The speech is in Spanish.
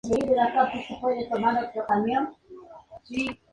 Recibió su grado Master of Divinity de la Escuela Universitaria de Teología de Boston.